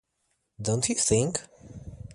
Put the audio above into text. Don't you think?